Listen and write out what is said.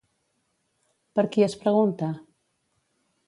Per qui es pregunta?